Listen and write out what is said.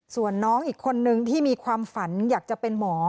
ส่วนน้องอีกคนนึงที่มีความฝันอยากจะเป็นหมอ